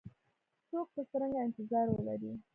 څوک به څرنګه انتظار ولري؟